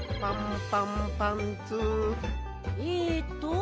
えっと